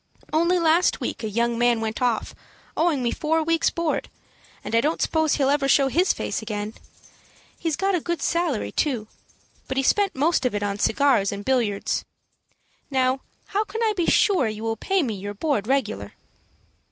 Only last week a young man went off, owing me four weeks' board, and I don't suppose he'll ever show his face again. He got a good salary, too; but he spent most of it on cigars and billiards. Now, how can I be sure you will pay me your board regular?"